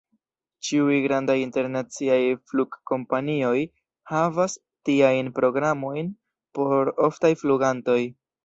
Ĉiuj grandaj internaciaj flugkompanioj havas tiajn programojn por oftaj flugantoj.